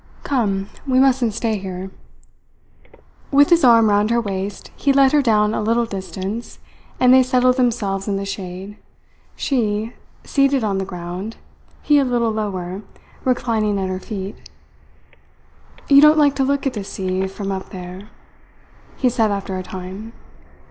Come, we mustn't stay here." With his arm round her waist, he led her down a little distance, and they settled themselves in the shade; she, seated on the ground, he a little lower, reclining at her feet. "You don't like to look at the sea from up there?" he said after a time.